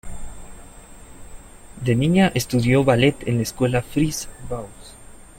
De niña estudió ballet en la escuela Freese-Baus.